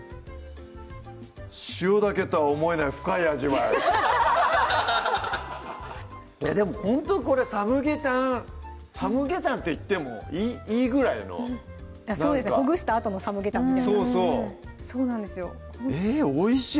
塩だけとは思えない深い味わいでもほんとこれサムゲタンサムゲタンって言ってもいいぐらいのそうですねほぐしたあとのサムゲタンみたいなそうそうえっおいしい！